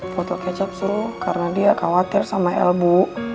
botol kecap suruh karena dia khawatir sama el bu